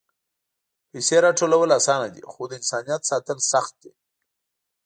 پېسې راټولول آسانه دي، خو د انسانیت ساتل سخت دي.